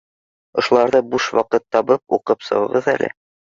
— Ошоларҙы, буш ваҡыт табып, уҡып сығығыҙ әле